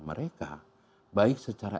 mereka baik secara